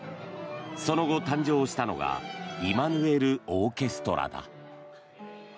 その後、誕生したのがイマヌエルオーケストラだ。